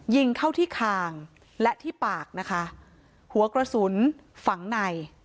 ยิงเข้าที่คางและที่ปากนะคะหัวกระสุนฝังใน